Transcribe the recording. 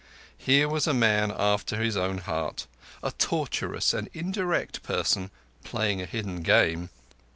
Here was a man after his own heart—a tortuous and indirect person playing a hidden game.